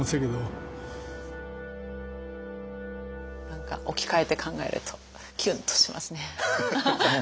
何か置き換えて考えるとキュンとしますね。